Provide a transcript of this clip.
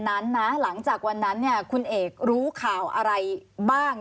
ซึ่งหลังจากวันนั้นคุณเอกรู้ข่าวอะไรบ้าง